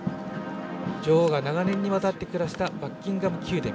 女王が長年にわたって暮らしたバッキンガム宮殿。